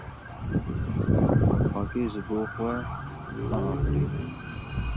Xakê ji bo xwe naafirîne.